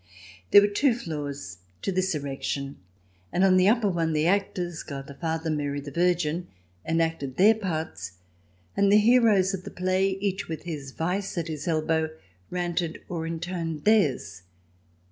There were two floors to this erection, and on the upper one the actors— God the Father, Mary the Virgin — enacted their parts, and the heroes of the play, each with his Vice at his elbow, ranted or intoned theirs.